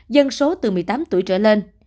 dân số từ một mươi tám tuổi trở lên